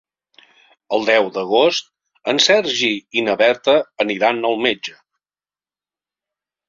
El deu d'agost en Sergi i na Berta aniran al metge.